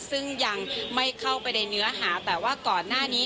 ซึ่งยังไม่เข้าไปในเนื้อหาแต่ว่าก่อนหน้านี้